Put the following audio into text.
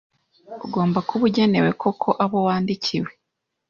Ugomba kuba ugenewe koko abo wandikiwe